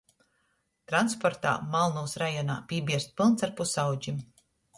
Transportā malnūs rajonā pībierst pylns ar pusaudžim.